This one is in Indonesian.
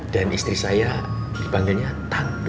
dan istri saya dipanggilnya tante